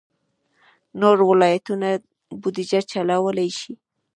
نور ولایتونه بودجه چلولای شي.